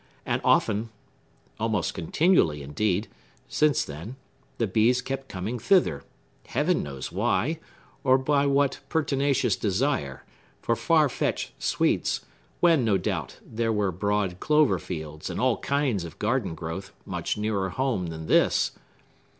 And often,—almost continually, indeed,—since then, the bees kept coming thither, Heaven knows why, or by what pertinacious desire, for far fetched sweets, when, no doubt, there were broad clover fields, and all kinds of garden growth, much nearer home than this.